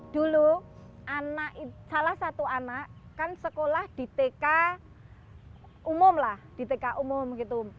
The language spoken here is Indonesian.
dulu salah satu anak kan sekolah di tk umum lah di tk umum gitu